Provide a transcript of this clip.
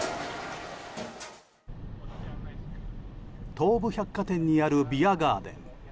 東武百貨店にあるビアガーデン。